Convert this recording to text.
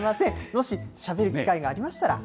もししゃべる機会がありましたら。